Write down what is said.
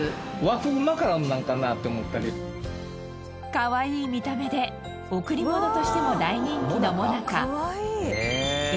かわいい見た目で贈り物としても大人気のもなか笑